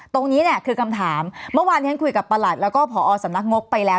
ตรงนี้เนี่ยคือคำถามเมื่อวานที่ฉันคุยกับประหลัดแล้วก็ผอสำนักงบไปแล้ว